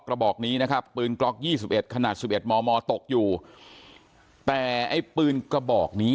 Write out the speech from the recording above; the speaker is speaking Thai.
กระบอกนี้นะครับปืนกล็อก๒๑ขนาด๑๑มมตกอยู่แต่ไอ้ปืนกระบอกนี้